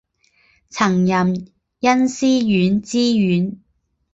曾任恩施县知县。